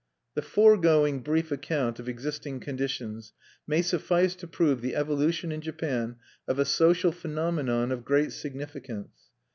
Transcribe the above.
V The foregoing brief account of existing conditions may suffice to prove the evolution in Japan of a social phenomenon of great significance.